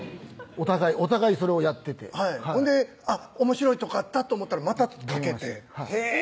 お互いそれをやっててほんでおもしろいとこあったと思ったらまたかけてへぇ！